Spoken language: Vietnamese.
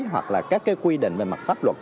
hoặc là các cái quy định về mặt pháp luật